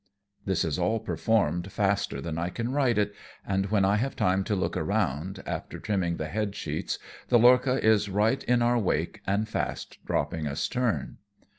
This is all performed faster than I can write it, and when I have time to look around, after trimming the head sheets, the lorcha is right in our wake and fast dropping astern.